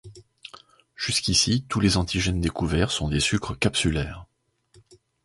Jusqu'ici tous les antigènes découverts sont des sucres capsulaires.